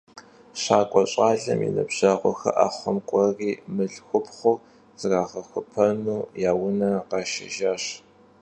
Şak'ue şauem yi nıbjeğuxer 'exhuem k'ueri mılhxupxhur zrağexuepenu ya vune khaşşejjaş.